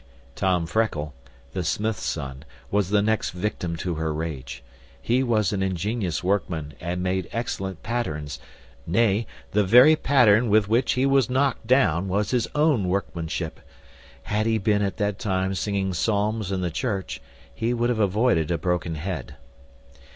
Tom Freckle, the smith's son, was the next victim to her rage. He was an ingenious workman, and made excellent pattens; nay, the very patten with which he was knocked down was his own workmanship. Had he been at that time singing psalms in the church, he would have avoided a broken head.